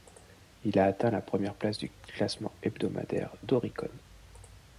Il a atteint la première place du classement hebdomadaire d'Oricon.